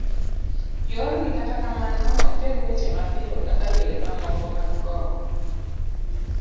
yorni kata kamano, ok ter weche mapiyo kaka yore mamoko mag kowo